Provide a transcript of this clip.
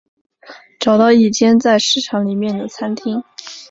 找到一间在市场里面的餐厅